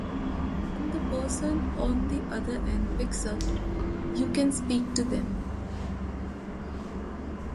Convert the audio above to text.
When the person on the other end picks up, you can speak to them.